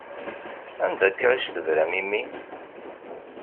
Anda akka i s-tebram i mmi?